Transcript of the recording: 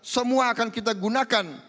semua akan kita gunakan